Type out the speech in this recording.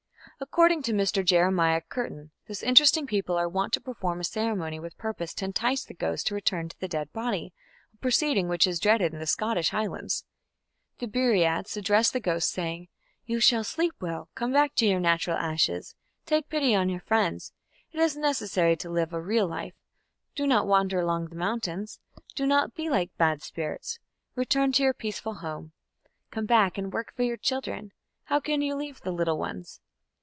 According to Mr. Jeremiah Curtin, this interesting people are wont to perform a ceremony with purpose to entice the ghost to return to the dead body a proceeding which is dreaded in the Scottish Highlands. The Buriats address the ghost, saying: "You shall sleep well. Come back to your natural ashes. Take pity on your friends. It is necessary to live a real life. Do not wander along the mountains. Do not be like bad spirits. Return to your peaceful home.... Come back and work for your children. How can you leave the little ones?"